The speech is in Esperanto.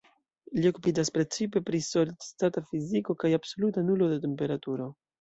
Li okupiĝas precipe pri solid-stata fiziko kaj absoluta nulo de temperaturo.